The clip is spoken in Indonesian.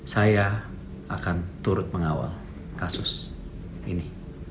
saya akan turut mengawal kasus ini